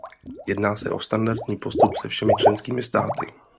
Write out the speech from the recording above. Jedná se o standardní postup se všemi členskými státy.